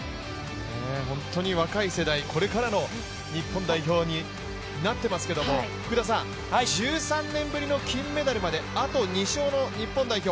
本当に若い世代、これからの日本代表になっていますけど１３年ぶりの金メダルまであと２勝の日本代表